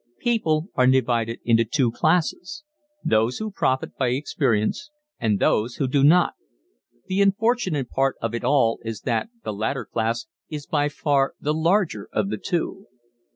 People are divided into two classes those who profit by experience and those who do not. The unfortunate part of it all is that the latter class is by far the larger of the two.